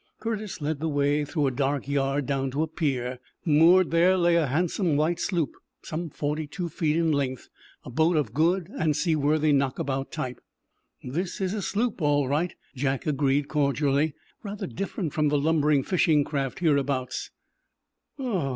Curtis led the way through a dark yard down to a pier. Moored there lay a handsome white sloop, some forty two feet in length—a boat of a good and seaworthy knockabout type. "This is a sloop, all right," Jack agreed, cordially. "Rather different from the lumbering fishing craft hereabouts."